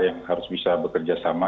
yang harus bisa bekerja sama